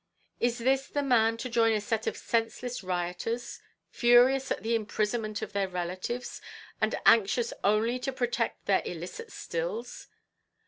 Is this the man to join a set of senseless rioters, furious at the imprisonment of their relatives, and anxious only to protect their illicit stills?